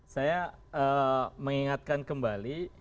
saya mengingatkan kembali